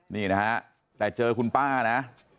นี่นะฮะแต่เจอคุณป้านะ